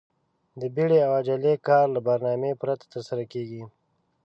د بيړې او عجلې کار له برنامې پرته ترسره کېږي.